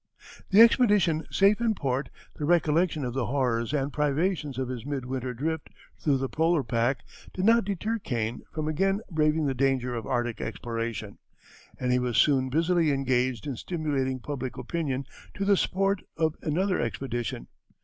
The expedition safe in port, the recollection of the horrors and privations of his mid winter drift through the polar pack did not deter Kane from again braving the danger of Arctic exploration, and he was soon busily engaged in stimulating public opinion to the support of another expedition.